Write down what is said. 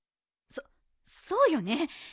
そそうよね。